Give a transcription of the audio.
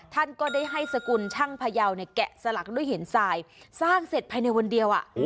ท่านก็ได้ให้ช่างพยาวแกะสลักด้วยเห็นสายสร้างเสร็จภายในวันเดียว